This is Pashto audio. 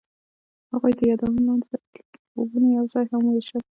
هغوی د یادونه لاندې د راتلونکي خوبونه یوځای هم وویشل.